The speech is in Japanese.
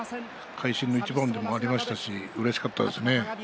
会心の一番でもありましたしうれしかったですね。